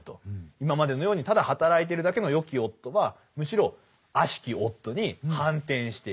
今までのようにただ働いてるだけのよき夫はむしろあしき夫に反転していく。